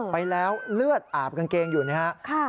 ไปแล้วเลือดอาบกางเกงอยู่นะครับ